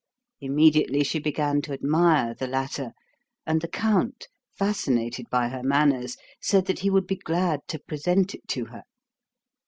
Immediately she began to admire the latter; and the count, fascinated by her manners, said that he would be glad to present it to her.